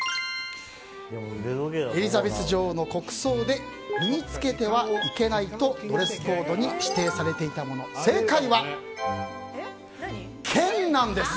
エリザベス女王の国葬で身に着けてはいけないとドレスコードに指定されていたもの正解は、剣なんです。